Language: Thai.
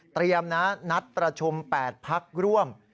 เตรียมนะนัดประชุม๘พักร่วม